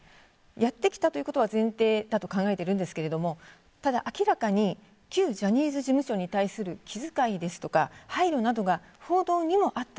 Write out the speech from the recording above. やってきたということは前提だと考えているんですけれどもただ、明らかに旧ジャニーズ事務所に対する気遣いですとか、配慮などが報道にもあった。